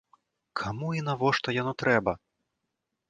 Каму і навошта яно трэба?